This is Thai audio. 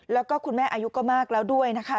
แล้วก็คุณแม่อายุก็มากแล้วด้วยนะคะ